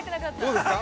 ◆どうですか？